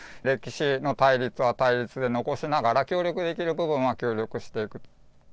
歴史の対立は対立で残しながら、協力できる部分は協力していくと。